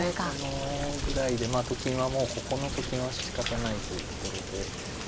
そのぐらいでと金はもうここのと金はしかたないというところで。